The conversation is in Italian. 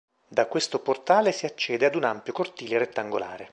Da questo portale si accede ad un ampio cortile rettangolare.